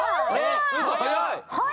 早い！